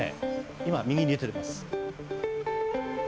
今、右に出ています。